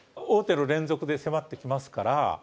王手の連続で迫ってきますから。